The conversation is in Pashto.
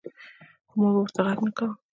خو ما به ورته غږ نۀ کوۀ ـ